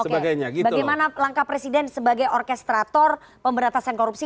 bagaimana langkah presiden sebagai orkestrator pemberatasan korupsi